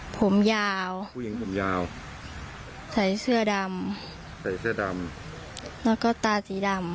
ผมยาวผู้หญิงผมยาวใส่เสื้อดำใส่เสื้อดำแล้วก็ตาสีดำ